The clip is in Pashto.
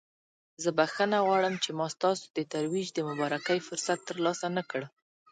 زه بخښنه غواړم چې ما ستاسو د ترویج د مبارکۍ فرصت ترلاسه نکړ.